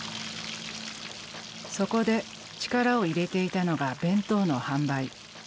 そこで力を入れていたのが弁当の販売。